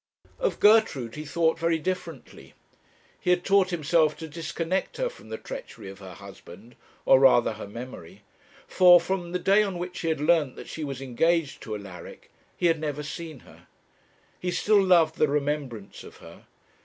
Of Gertrude he thought very differently. He had taught himself to disconnect her from the treachery of her husband or rather her memory; for, from the day on which he had learnt that she was engaged to Alaric, he had never seen her. He still loved the remembrance of her.